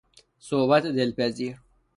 صحبت دلپذیر